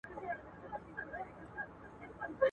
شتمني د خلکو په مقام اغېزه لري.